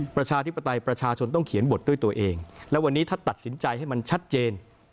ประชาธิปไตยประชาชนต้องเขียนบทด้วยตัวเองและวันนี้ถ้าตัดสินใจให้มันชัดเจน